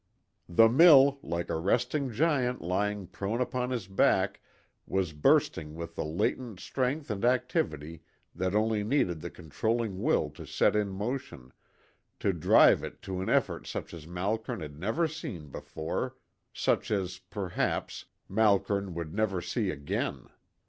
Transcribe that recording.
The mill, like a resting giant lying prone upon his back, was bursting with a latent strength and activity that only needed the controlling will to set in motion, to drive it to an effort such as Malkern had never seen before, such as, perhaps, Malkern would never see again.